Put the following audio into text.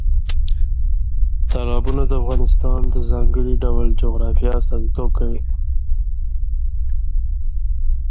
تالابونه د افغانستان د ځانګړي ډول جغرافیه استازیتوب کوي.